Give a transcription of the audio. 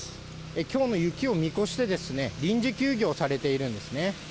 きょうの雪を見越して、臨時休業されているんですね。